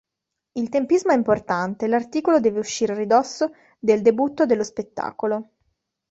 Il tempismo è importante: l'articolo deve uscire a ridosso del debutto dello spettacolo.